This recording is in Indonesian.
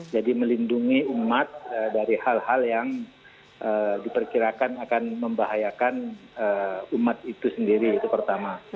jadi melindungi umat dari hal hal yang diperkirakan akan membahayakan umat itu sendiri itu pertama